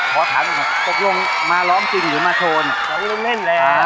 โทษมาเธอ